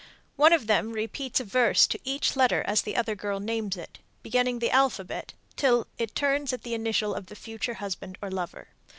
One of them repeats a verse to each letter as the other girl names it, beginning the alphabet, till it turns at the initial of the future husband or lover.